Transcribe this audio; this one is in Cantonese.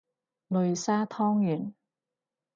擂沙湯圓